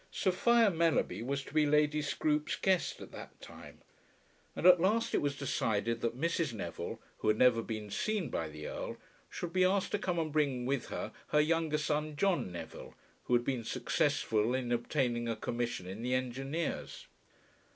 Sophia Mellerby was to be Lady Scroope's guest at that time, and at last it was decided that Mrs. Neville, who had never been seen by the Earl, should be asked to come and bring with her her younger son, John Neville, who had been successful in obtaining a commission in the Engineers.